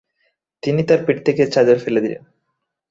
তিনি তাঁর পিঠ থেকে চাদর ফেলে দিলেন।